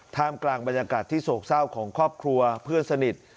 กลางบรรยากาศที่โศกเศร้าของครอบครัวเพื่อนสนิท